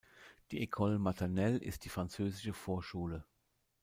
Die École Maternelle ist die französische Vorschule.